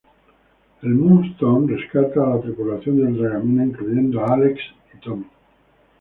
El Moonstone rescata a la tripulación del dragaminas, incluyendo a Alex y Tommy.